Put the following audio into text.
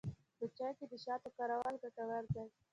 په چای کې د شاتو کارول ګټور دي.